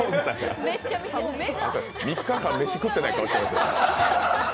３日間メシ食ってない顔してます。